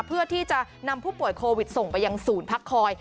เพื่อที่จะนำผู้ป่วยโควิดส่งไปยังศูนย์พักคอย